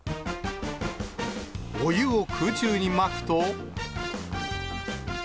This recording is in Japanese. お湯を空中にまくと。